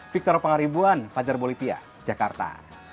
victor pangaribuan fajar bolivia jakarta